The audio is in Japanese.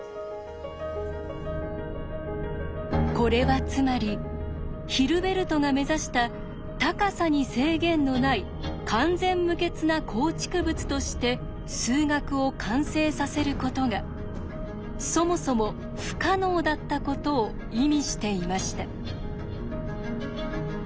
これはつまりヒルベルトが目指した高さに制限のない完全無欠な構築物として数学を完成させることがそもそも不可能だったことを意味していました。